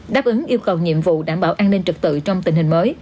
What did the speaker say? đáp ứng yêu cầu nhiệm vụ đảm bảo an ninh trật tự trong tình hình mới